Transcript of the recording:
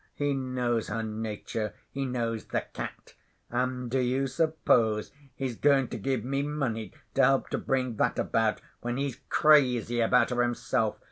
He knows her nature; he knows the cat. And do you suppose he's going to give me money to help to bring that about when he's crazy about her himself?